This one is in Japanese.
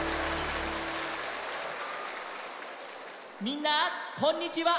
みんなこんにちは！